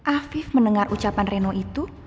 afif mendengar ucapan reno itu